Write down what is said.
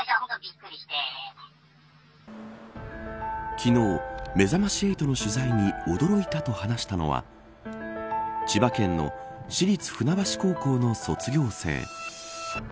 昨日、めざまし８の取材に驚いたと話したのは千葉県の市立船橋高校の卒業生。